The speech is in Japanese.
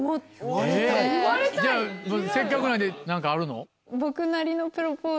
じゃあせっかくなんで何かあるの？